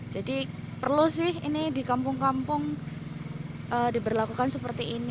jadi perlu sih ini di kampung kampung diberlakukan seperti ini